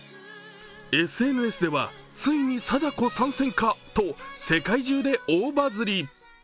ＳＮＳではついに貞子参戦かと世界中で大バズり。